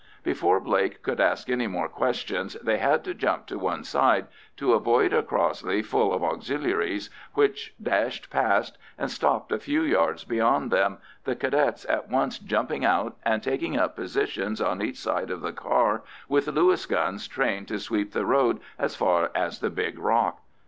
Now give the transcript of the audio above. Before Blake could ask any more questions they had to jump to one side to avoid a Crossley full of Auxiliaries, which dashed past, and stopped a few yards beyond them, the Cadets at once jumping out and taking up positions on each side of the car with Lewis guns trained to sweep the road as far as the big rock.